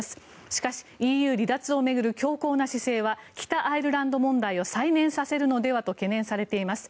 しかしＥＵ離脱を巡る強硬な姿勢は北アイルランド問題を再燃させるのではと懸念されています。